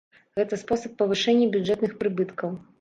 Гэта спосаб павышэння бюджэтных прыбыткаў.